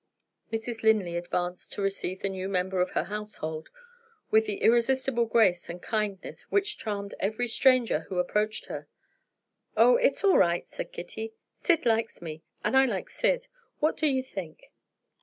Mrs. Linley advanced to receive the new member of her household, with the irresistible grace and kindness which charmed every stranger who approached her. "Oh, it's all right," said Kitty. "Syd likes me, and I like Syd. What do you think?